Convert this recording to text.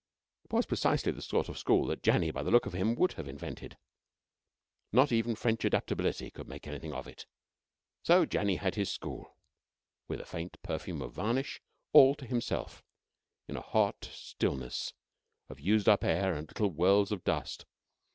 It was precisely the sort of school that Janny, by the look of him, would have invented. Not even French adaptability could make anything of it. So Janny had his school, with a faint perfume of varnish, all to himself in a hot stillness of used up air and little whirls of dust.